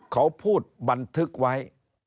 เขาพูดบันทึกไว้